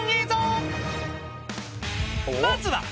［まずは］あ！